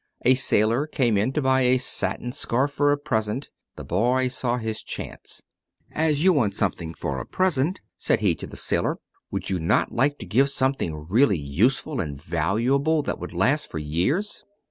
A sailor came in to buy a satin scarf for a present. The boy saw his chance. "As you want something for a present," said he to the sailor, "would you not like to give something really useful and valuable that would last for years?"